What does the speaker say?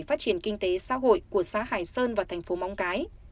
phát triển kinh tế xã hội của xã hải sơn và thành phố móng cái